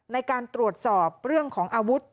ในการตรวจสอบเรื่องของอาวุธ